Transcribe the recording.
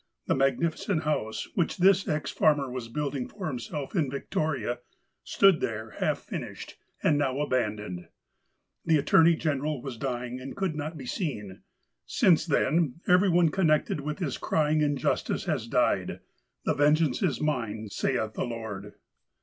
The magnificent house, which this ex farmer was building for himself in Victoria, stood there half finished, and now abandoned. The attorney general was dying, and could not be seen. Since then, every one con nected with this crying injustice has died. 'The vengeance is Mine,' saith the Lord."